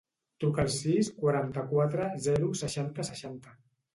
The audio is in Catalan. Truca al sis, quaranta-quatre, zero, seixanta, seixanta.